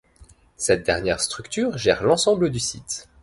Cette dernière structure gère l'ensemble du site.